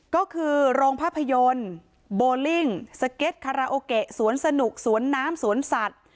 ก็คือโรงภาพยนตร์โบลิ่งสเก็ตคาราโอเกะสวนสนุกสวนน้ำสวนสัตว์